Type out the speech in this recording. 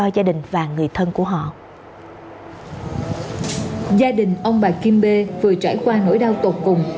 gia đình ông bà kim bê vừa trải qua nỗi đau tột cùng